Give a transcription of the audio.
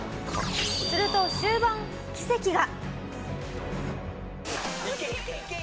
すると終盤奇跡が。